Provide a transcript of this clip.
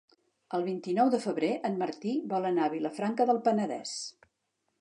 El vint-i-nou de febrer en Martí vol anar a Vilafranca del Penedès.